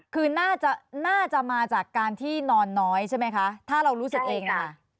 คือน่าจะน่าจะมาจากการที่นอนน้อยใช่ไหมคะถ้าเรารู้สึกเองล่ะ